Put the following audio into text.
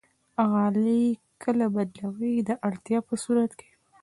غالۍ کله بدلوئ؟ د اړتیا په صورت کې